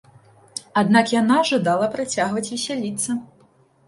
Аднак яна жадала працягваць весяліцца.